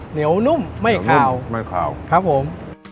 เหนียวนุ่มไม่ขาวไม่ขาวครับผม